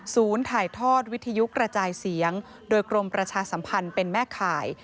ถ่ายทอดวิทยุกระจายเสียงโดยกรมประชาสัมพันธ์เป็นแม่ข่าย